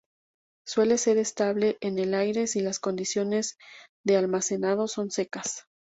Suele ser estable en el aire si las condiciones de almacenado son secas.